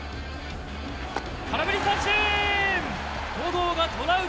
空振り三振。